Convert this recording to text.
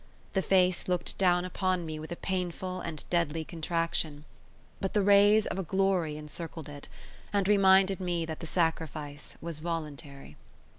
The face looked down upon me with a painful and deadly contraction; but the rays of a glory encircled it, and reminded me that the sacrifice was voluntary.